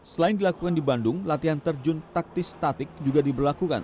selain dilakukan di bandung latihan terjun taktis statik juga diberlakukan